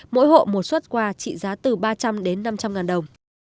mỗi hộ một suất qua trị giá từ ba trăm linh đến năm trăm linh đồng